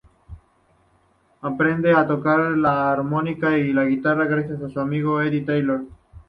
Aprendió a tocar la armónica y la guitarra gracias a su amigo Eddie Taylor.